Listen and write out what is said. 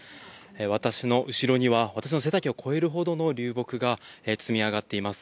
私の後ろには私の背丈を超えるほどの流木が積み上がっています。